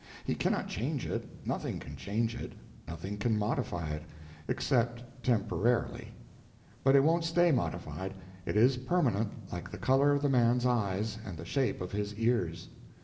He cannot change it, nothing can change it, nothing can modify it—except temporarily. But it won't stay modified. It is permanent, like the color of the man's eyes and the shape of his ears.